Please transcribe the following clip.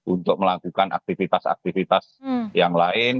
untuk melakukan aktivitas aktivitas yang lain